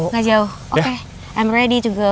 nggak jauh oke i'm ready to go